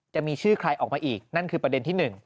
จะมีชื่อใครออกมาอีกนั่นคือประเด็นที่๑